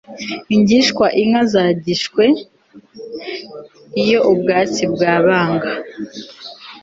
ingishywa inka zagishwe. iyo ubwatsi bwabaga